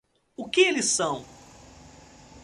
O que eles são